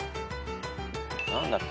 何だっけ。